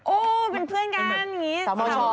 โอ้เป็นเพื่อนกันอย่างนี้